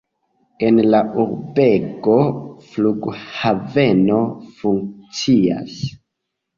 En la urbego flughaveno funkcias.